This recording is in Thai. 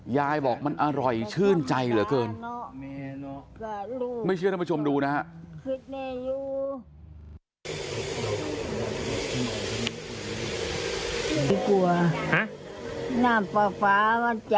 ยายบอกมันอร่อยชื่นใจเหลือเกินไม่เชื่อท่านผู้ชมดูนะครับ